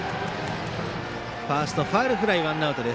ファーストへのファウルフライでワンアウト。